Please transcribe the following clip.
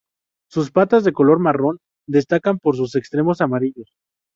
Sus patas de color marrón destacan por sus extremos amarillos.